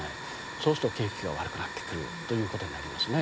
そうすると景気が悪くなってくるということになりますね。